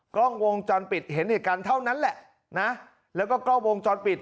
กล้องวงจรปิดเห็นเหตุการณ์เท่านั้นแหละนะแล้วก็กล้องวงจรปิด